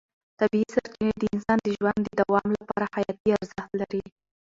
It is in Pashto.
طبیعي سرچینې د انسان د ژوند د دوام لپاره حیاتي ارزښت لري.